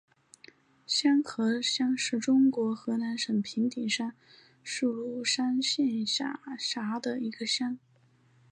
瀼河乡是中国河南省平顶山市鲁山县下辖的一个乡。